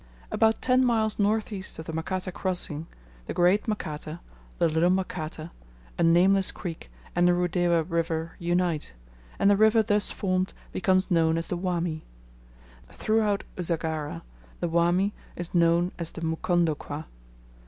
About ten miles north east of the Makata crossing, the Great Makata, the Little Makata, a nameless creek, and the Rudewa river unite; and the river thus formed becomes known as the Wami. Throughout Usagara the Wami is known as the Mukondokwa.